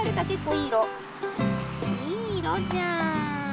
いいいろじゃん。